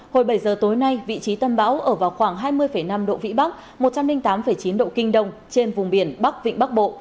hồi bảy giờ tối nay vị trí tâm bão ở vào khoảng hai mươi năm độ vĩ bắc một trăm linh tám chín độ kinh đông trên vùng biển bắc vịnh bắc bộ